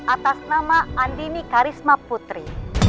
atas nama andini karisma putri